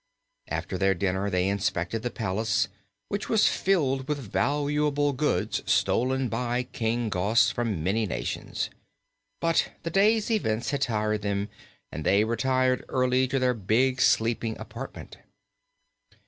After their dinner they inspected the palace, which was filled with valuable goods stolen by King Gos from many nations. But the day's events had tired them and they retired early to their big sleeping apartment.